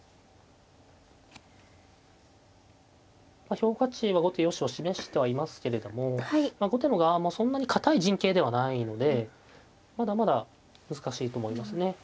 評価値は後手よしを示してはいますけれども後手の側もそんなに堅い陣形ではないのでまだまだ難しいと思いますね。